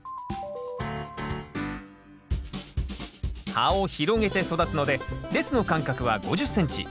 葉を広げて育つので列の間隔は５０ｃｍ。